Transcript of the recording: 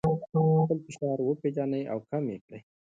خپل فشار وپیژنئ او کم یې کړئ.